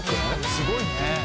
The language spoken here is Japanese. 「すごいね」